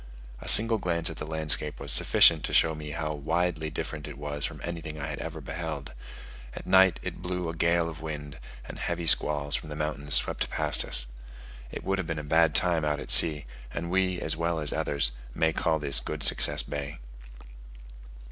A single glance at the landscape was sufficient to show me how widely different it was from anything I had ever beheld. At night it blew a gale of wind, and heavy squalls from the mountains swept past us. It would have been a bad time out at sea, and we, as well as others, may call this Good Success Bay.